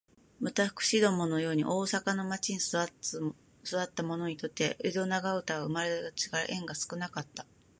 私どもの様に大阪の町の中に育つた者にとつては、江戸長唄は生れだちから縁が少かつた。